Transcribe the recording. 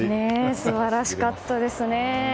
素晴らしかったですよね。